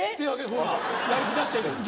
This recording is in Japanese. ほらやる気出してんです。